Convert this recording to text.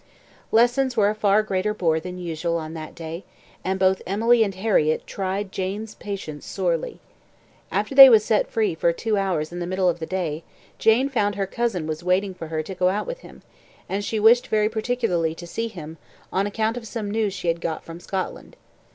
Lessons were a far greater bore than usual on that day, and both Emily and Harriett tried Jane's patience sorely. After they were set free for two hours in the middle of the day, Jane found her cousin was waiting for her to go out with him, and she wished very particularly to see him, on account of some news she had got from Scotland.